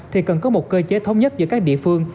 thì cần có một cơ chế thống nhất giữa các địa phương